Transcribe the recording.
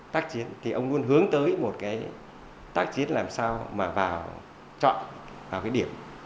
tác chiến thì ông luôn hướng tới một cái tác chiến làm sao mà vào chọn vào cái điểm